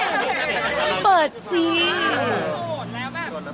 โสดแล้วแบบจีบได้เลย